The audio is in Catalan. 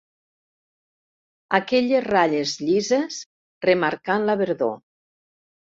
Aquelles ratlles llises remarcant la verdor